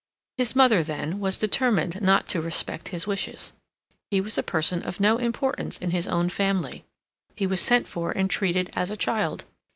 His mother, then, was determined not to respect his wishes; he was a person of no importance in his own family; he was sent for and treated as a child.